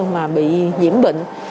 mà bị nhiễm bệnh